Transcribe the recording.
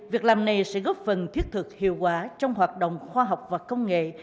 việc làm này sẽ góp phần thiết thực hiệu quả trong hoạt động khoa học và công nghệ